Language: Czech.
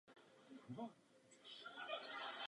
Mám zde na mysli především elektrárny na bioplyn.